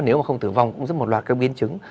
nếu mà không tử vong cũng rất một loạt các biến chứng